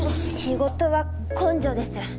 仕事は根性です。